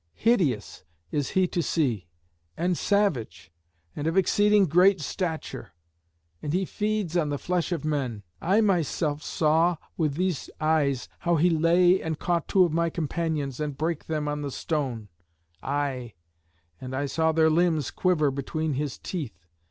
Hideous is he to see, and savage, and of exceeding great stature, and he feeds on the flesh of men. I myself saw with these eyes how he lay and caught two of my companions and brake them on the stone; aye, and I saw their limbs quiver between his teeth.